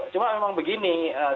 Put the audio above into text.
cuma memang begini